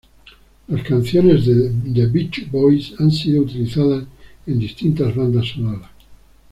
Las canciones de The Beach Boys han sido utilizadas en distintas bandas sonoras.